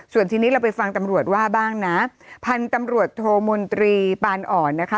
ส่วนทีนี้เราไปฟังตำรวจว่าบ้างนะพันธุ์ตำรวจโทมนตรีปานอ่อนนะคะ